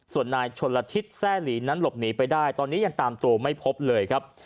ส่วนนายชนละทิศแซ่หลีนั้นหลบหนีไปได้ตอนนี้ยังตามตัวไม่พบเลยครับ